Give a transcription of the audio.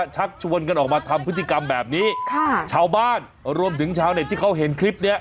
ชักชวนกันออกมาทำพฤติกรรมแบบนี้ค่ะชาวบ้านรวมถึงชาวเน็ตที่เขาเห็นคลิปเนี้ย